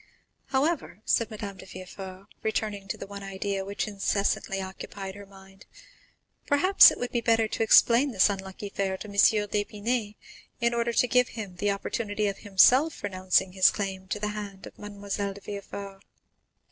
"However," said Madame de Villefort, returning to the one idea which incessantly occupied her mind, "perhaps it would be better to explain this unlucky affair to M. d'Épinay, in order to give him the opportunity of himself renouncing his claim to the hand of Mademoiselle de Villefort."